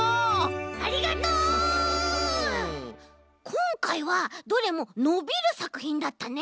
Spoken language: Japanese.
こんかいはどれものびるさくひんだったね。